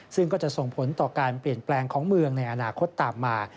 ซึ่งก็จะส่งผลต่อการเปลี่ยนแปลงของเมืองในอนาคตตามมา